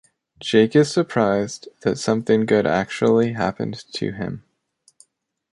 Jake is surprised that something good actually happened to him.